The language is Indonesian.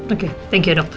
oke terima kasih ya dokter